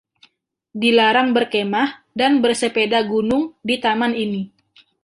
Dilarang berkemah dan bersepeda gunung di taman ini.